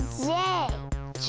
Ｊ！